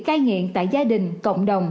khai nghiện tại gia đình cộng đồng